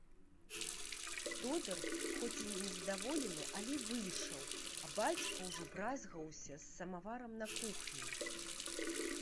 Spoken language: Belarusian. Тодар, хоць і незадаволены, але выйшаў, а бацька ўжо бразгаўся з самаварам на кухні.